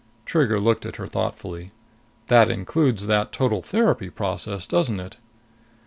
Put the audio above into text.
Trigger looked at her thoughtfully. "That includes that total therapy process, doesn't it?"